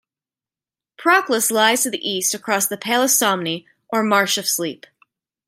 Proclus lies to the east across the Palus Somni, or Marsh of Sleep.